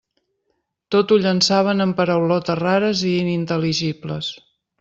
Tot ho llançaven amb paraulotes rares i inintel·ligibles.